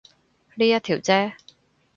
呢一條啫